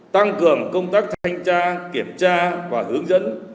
tăng cường công tác thanh tra kiểm tra và hướng dẫn